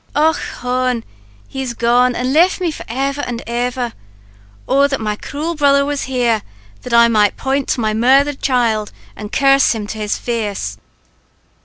"Och hone! he is gone, and left me for ever and ever. Oh, that my cruel brother was here that I might point to my murthered child, and curse him to his face!"